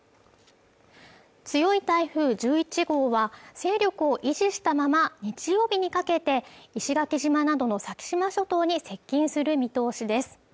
強い台風１１号は勢力を維持したまま日曜日にかけて石垣島などの先島諸島に接近する見通しです